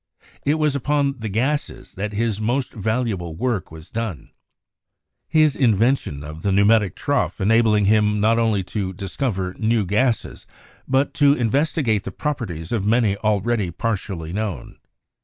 It was upon the gases that his most valuable work was done; his invention of the pneumatic trough enabling him not only to discover new gases, but to investigate the properties of many already partially known.